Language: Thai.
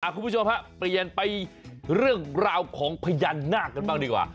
คุณผู้ชมฮะเปลี่ยนไปเรื่องราวของพญานาคกันบ้างดีกว่า